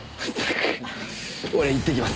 俺行ってきます。